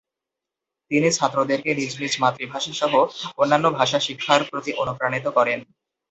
তিনি ছাত্রদেরকে নিজ নিজ মাতৃভাষাসহ অন্যান্য ভাষা শিক্ষার প্রতি অনুপ্রাণিত করেন।